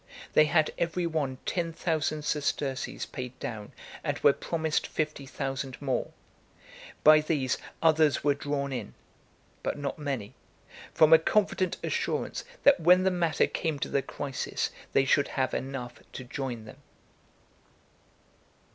They had every one ten thousand sesterces paid down, and were promised fifty thousand more. By these, others were drawn in, but not many; from a confident assurance, that when the matter came to the crisis, they should have enough to join them.